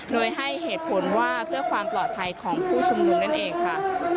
โดยให้เหตุผลว่าเพื่อความปลอดภัยของผู้ชุมนุมนั่นเองค่ะ